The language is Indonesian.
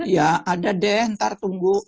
ya ada deh ntar tunggu